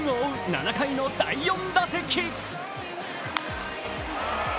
７回の第４打席。